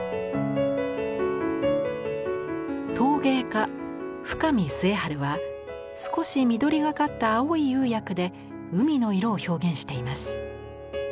陶芸家深見陶治は少し緑がかった青い釉薬で海の色を表現しています。